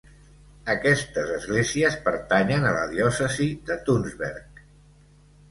Aquestes esglésies pertanyen a la diòcesi de Tunsberg.